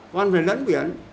con phải lấn biển